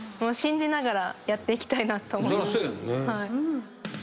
信じながらやっていきたいなと思います。